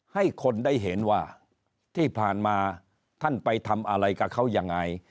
ให้คนได้เห็นว่าที่ผ่านมาท่านไปทำอะไรกับเขายังไง